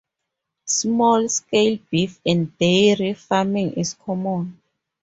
Small-scale beef and dairy farming is common.